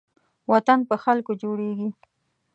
وطن په خلکو جوړېږي